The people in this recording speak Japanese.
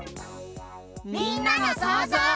みんなのそうぞう。